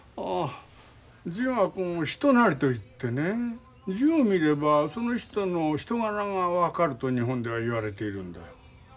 「字は人なり」といってね字を見ればその人の人柄が分かると日本ではいわれているんだよ。